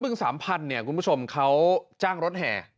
สามพันธุเนี่ยคุณผู้ชมเขาจ้างรถแห่